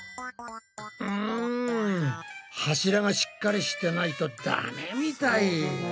うん柱がしっかりしてないとダメみたい。